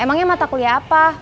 emangnya mata kuliah apa